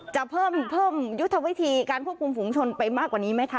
จะเพิ่มเพิ่มยุทธวิธีควบคุมผู้ชนไปมากกว่านี้ไหมครับ